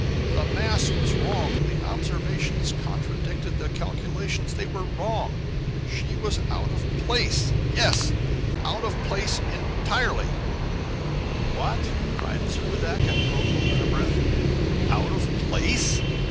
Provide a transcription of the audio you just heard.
The mass was wrong! The observations contradicted the calculations; they were wrong! She was out of place! Yes, out of place entirely." "What!" cried Servadac and Procope in a breath, "out of place?"